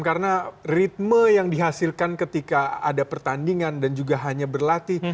karena ritme yang dihasilkan ketika ada pertandingan dan juga hanya berlatih